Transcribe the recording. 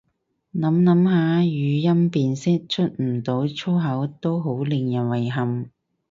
諗諗下語音辨識出唔到粗口都好令人遺憾